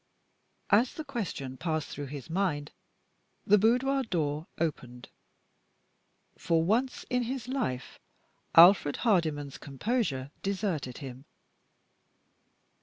As the question passed through his mind the boudoir door opened. For once in his life, Alfred Hardyman's composure deserted him.